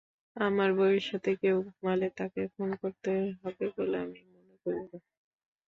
আমার বউয়ের সাথে কেউ ঘুমালে তাকে খুন করতে হবে বলে আমি মনে করিনা।